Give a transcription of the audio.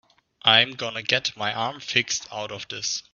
I'm gonna get my arm fixed out of this.